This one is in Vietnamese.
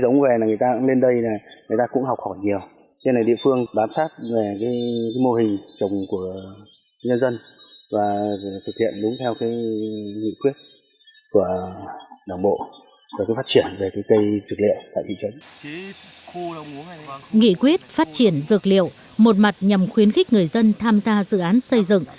nghị quyết phát triển dược liệu một mặt nhằm khuyến khích người dân tham gia dự án xây dựng